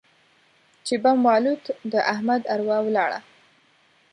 چې بم والوت؛ د احمد اروا ولاړه.